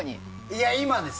いや、今です。